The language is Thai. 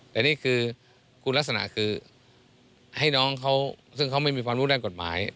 แต่นี่คือคุณลักษณะคือให้น้องเขาซึ่งเขาไม่มีความรู้ด้านกฎหมาย